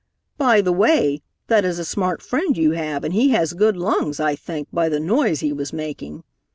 By the way, that is a smart friend you have, and he has good lungs, I think, by the noise he was making.